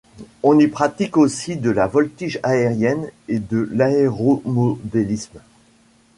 On y pratique aussi de la voltige aérienne et de l'aéromodelisme.